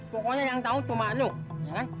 pokoknya yang tau cuma lo ya kan